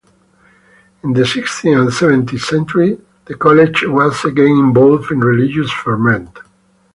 In the sixteenth and seventeenth centuries, the college was again involved in religious ferment.